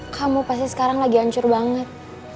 kamu pasti sekarang lagi hancur banget